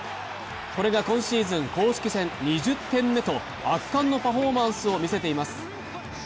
これが今シーズン公式戦２０点目と圧巻のパフォーマンスを見せています。